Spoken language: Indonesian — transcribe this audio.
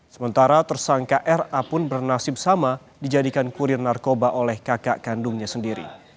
sementara tersangka ra pun bernasib sama dijadikan kurir narkoba oleh kakak kandungnya sendiri